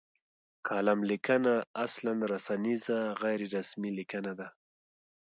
کالم لیکنه اصلا رسنیزه غیر رسمي لیکنه ده.